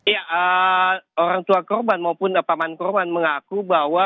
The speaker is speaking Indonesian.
ya orang tua korban maupun paman korban mengaku bahwa